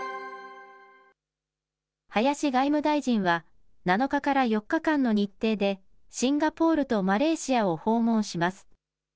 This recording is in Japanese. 林外務大臣は、７日から４日間の日程で、シンガポールとマレーシアを訪問します。